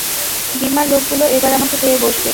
বীমার লোকগুলো এবার আমাকে পেয়ে বসবে!